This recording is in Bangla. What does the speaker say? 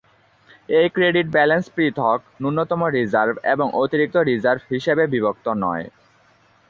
এই ক্রেডিট ব্যালেন্স পৃথক "ন্যূনতম রিজার্ভ" এবং "অতিরিক্ত রিজার্ভ" হিসাবে বিভক্ত নয়।